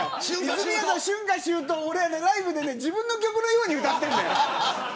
泉谷さんの春夏秋冬俺、ライブで自分の曲のように歌ってるんだよ。